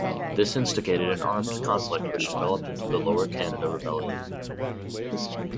This instigated an armed conflict which developed into the Lower Canada Rebellion.